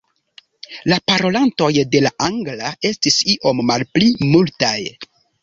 La parolantoj de la angla estis iom malpli multaj.